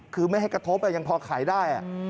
คือไม่ให้กระทบยังพอขายได้